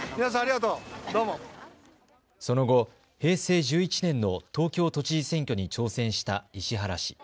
その後、平成１１年の東京都知事選挙に挑戦した石原氏。